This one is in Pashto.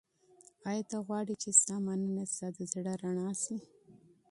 ایا ته غواړې چي ستا مننه ستا د زړه رڼا سي؟